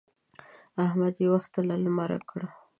احمد يې وختي له لمره کړ.